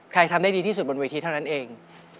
ทำได้ดีที่สุดบนเวทีเท่านั้นเอง